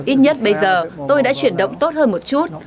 ít nhất bây giờ tôi đã chuyển động tốt hơn một chút